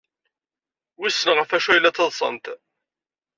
Wissen ɣef wacu ay la ttaḍsant.